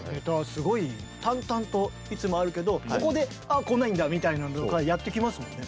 すごい淡々といつもあるけどここであこないんだみたいなのとかやってきますもんね。